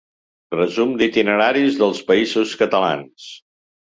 Resum d'itineraris dels països catalans.